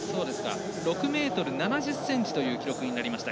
６ｍ７０ｃｍという記録になりました。